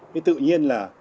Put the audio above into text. thế tự nhiên là